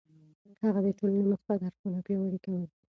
هغه د ټولنې مثبت اړخونه پياوړي کول.